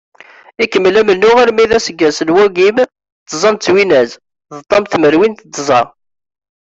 Ikemmel amennuɣ armi d aseggas n wagim d tẓa twinas d ṭam tmerwin d tẓa.